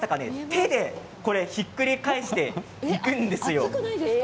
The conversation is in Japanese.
手でひっくり返して熱くないんですか。